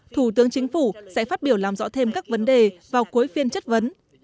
thủ tướng chính phủ sẽ phát biểu làm rõ thêm các vấn đề vào cuối phiên chất vấn